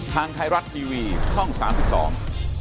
ทางไทยรัตน์ทีวีช่อง๓๒